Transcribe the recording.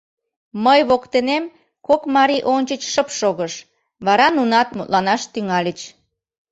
Мый воктенем кок марий ончыч шып шогыш, вара нунат мутланаш тӱҥальыч: